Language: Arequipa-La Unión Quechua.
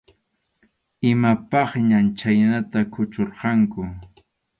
Imapaqñam khaynata kuchurqanku.